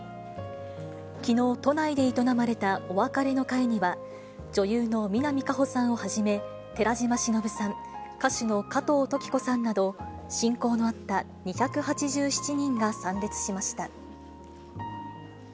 きのう、都内で営まれたお別れの会には、女優の南果歩さんをはじめ、寺島しのぶさん、歌手の加藤登紀子さんなど、親交のあった２８７人が参列しました。